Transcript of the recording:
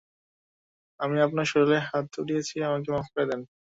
আমি আপনার শরীরে হাত উঠিয়েছি, আমাকে মাফ করে দেন।